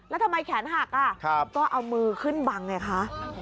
แล้วทำไมแขนหักอ่ะครับก็เอามือขึ้นบังเนี่ยคะ